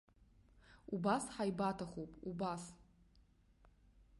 Убас ҳаибаҭахуп, убас.